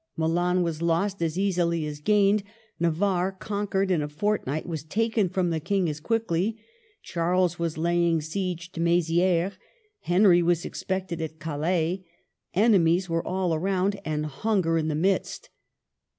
Milan was lost as easily as gained; Navarre, conquered in a fortnight, was taken from the King as quickly ; Charles was laying siege to Mezi^res ; Henry was expected at Calais ; enemies were all round, and hunger in the midst.